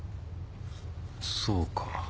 そうか。